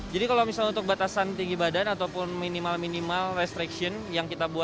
jadi kalau misalnya untuk batasan tinggi badan ataupun minimal minimal restriction